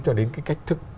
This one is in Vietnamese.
cho đến cái cách thức